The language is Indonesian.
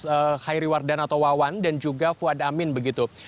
terus khairiwardana tawawan dan juga fuad amin begitu